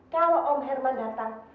kalau om herman datang